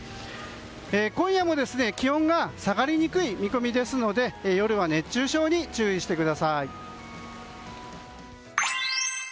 今夜も、気温が下がりにくい見込みですので夜は熱中症に注意してください。